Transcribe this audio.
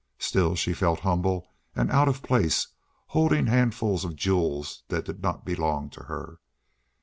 Still she felt humble, out of place, holding handfuls of jewels that did not belong to her.